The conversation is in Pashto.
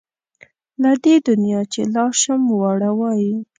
له دې دنیا چې لاړ شم واړه وايي.